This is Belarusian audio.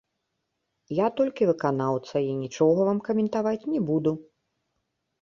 Я толькі выканаўца, я нічога вам каментаваць не буду.